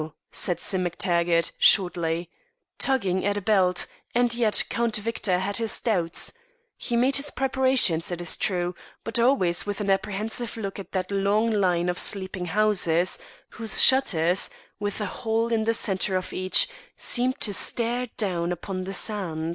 said Sim MacTaggart shortly, tugging at a belt, and yet Count Victor had his doubts. He made his preparations, it is true, but always with an apprehensive look at that long line of sleeping houses, whose shutters with a hole in the centre of each seemed to stare down upon the sand.